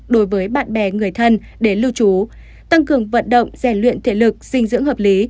đối với bạn bè người thân để lưu trú tăng cường vận động rèn luyện thể lực dinh dưỡng hợp lý